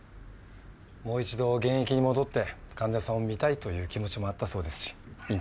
もう一度現役に戻って患者さんを診たいという気持ちもあったそうですし院長は。